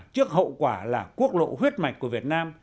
trước hậu quả là quốc lộ huyết mạch của việt nam